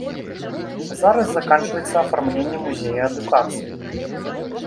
Зараз заканчваецца афармленне музея адукацыі.